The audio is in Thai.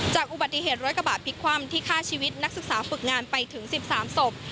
จากอุบัติเหตุร้อยกระบาดพิกความที่ฆ่าชีวิตนักศึกษาปึกงานไปถึง๑๓ศพ